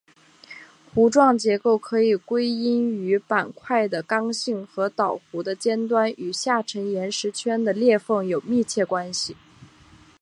弧状结构可以归因于板块的刚性和岛弧的尖端与下沉岩石圈的裂缝有密切关系。